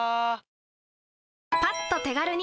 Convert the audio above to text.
パッと手軽に！